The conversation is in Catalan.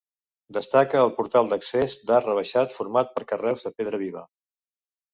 Destaca el portal d'accés d'arc rebaixat format per carreus de pedra viva.